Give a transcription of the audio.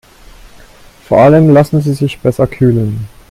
Vor allem lassen sie sich besser kühlen.